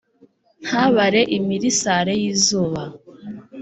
Ntabare imirisare y izuba